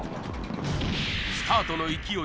スタートの勢い